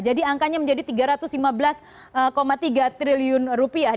jadi angkanya menjadi tiga ratus lima belas tiga triliun rupiah